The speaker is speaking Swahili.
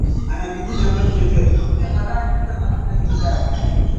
Stephen Bantu Biko alizaliwa mjini King Williams Town